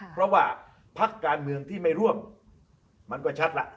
เพราะว่าพักการเมืองที่ไม่ร่วมมันก็ชัดแล้ว